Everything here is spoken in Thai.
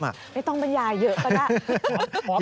ไม่ต้องบรรยายเยอะก็ได้